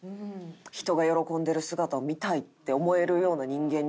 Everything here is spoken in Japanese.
人が喜んでる姿を見たいって思えるような人間に。